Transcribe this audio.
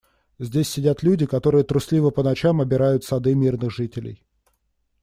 Здесь сидят люди, которые трусливо по ночам обирают сады мирных жителей.